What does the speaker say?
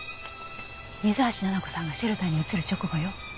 水橋奈々子さんがシェルターに移る直後よ。